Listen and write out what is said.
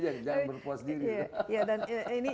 jangan puas diri